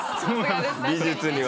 美術には。